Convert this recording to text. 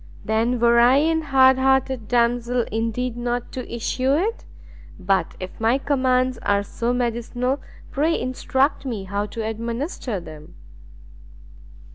"Then were I an hard hearted damsel indeed not to issue it! but if my commands are so medicinal, pray instruct me how to administer them."